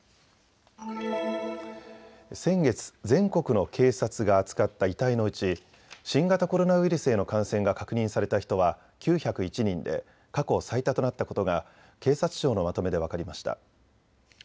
先月、全国の警察が扱った遺体のうち、新型コロナウイルスへの感染が確認された人は９０１人で過去最多となったことが警察庁のまとめで分かりました。